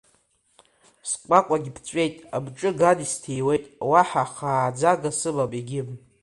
Сҟәаҟәагь ԥҵәеит, амҿы ган исҭиуеит, уаҳа хааӡага сымам, егьим.